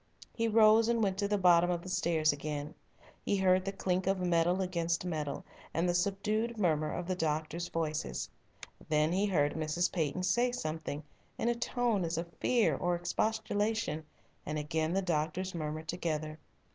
He rose and went to the bottom of the stairs again. He heard the clink of metal against metal, and the subdued murmur of the doctors' voices. Then he heard Mrs. Peyton say something, in a tone as of fear or expostulation, and again the doctors murmured together.